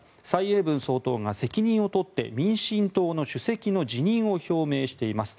蔡英文総統が責任を取って民進党の主席の辞任を表明しています。